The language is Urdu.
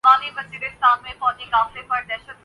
اور دوسرے مختلف موضوعات پر ہزاروں گروپ موجود ہیں۔